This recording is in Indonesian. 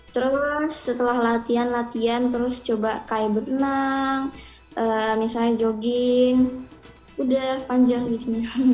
terus setelah latihan latihan terus coba kayak berenang misalnya jogging udah panjang gitu